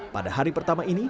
pada hari pertama ini